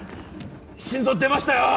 心臓出ましたよ